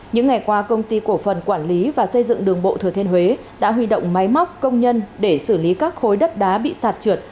những ngày qua công ty cổ phần quản lý và xây dựng đường bộ thừa thiên huế đã huy động máy móc công nhân để xử lý các khối đất đá bị sạt trượt